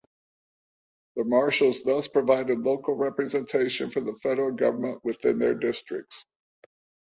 The marshals thus provided local representation for the federal government within their districts.